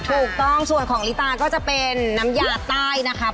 ถูกต้องส่วนของลิตาก็จะเป็นน้ำยาใต้นะครับ